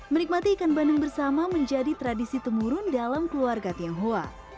menikmati ikan bandeng bersama menjadi tradisi temurun dalam keluarga tionghoa